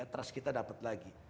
trust kita dapat lagi